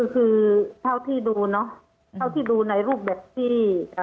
คือเท่าที่ดูเนาะเท่าที่ดูในรูปแบบที่